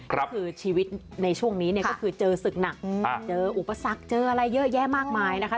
คือชีวิตในช่วงนี้เนี่ยก็คือเจอศึกหนักเจออุปสรรคเจออะไรเยอะแยะมากมายนะคะ